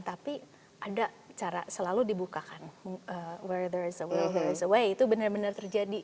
tapi ada cara selalu dibukakan where there is a will there is a way itu benar benar terjadi